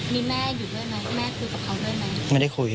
มีแม่อยู่ด้วยไหมแม่คุยกับเขาด้วยไหม